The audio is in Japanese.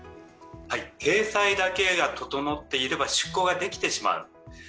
体裁だけが整っていれば出港はできてしまう。